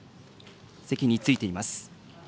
席に着いています。